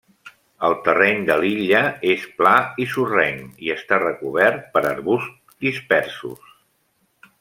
El terreny de l'illa és pla i sorrenc, i està recobert per arbusts dispersos.